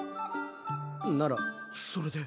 ならそれで。